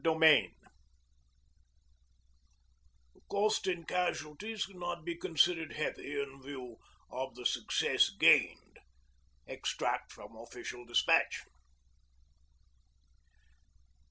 THE COST 'The cost in casualties cannot be considered heavy in view of the success gained.' EXTRACT FROM OFFICIAL DESPATCH.